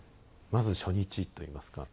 まず初日といいますか。